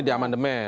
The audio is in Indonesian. ini di aman demen